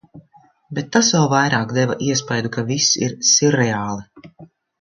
Bet tas vēl vairāk deva iespaidu, ka viss ir sirreāli.